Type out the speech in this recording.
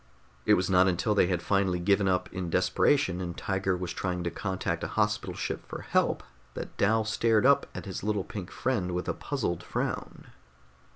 It was not until they had finally given up in desperation and Tiger was trying to contact a Hospital Ship for help, that Dal stared up at his little pink friend with a puzzled frown.